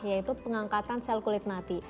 yaitu pengangkatan sel kulit mati